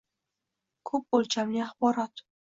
Ko‘p o‘lchamli axborot